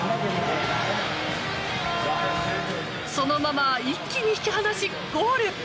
そのまま一気に引き離しゴール！